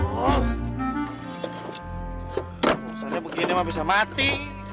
brosurnya begini mbak bisa mati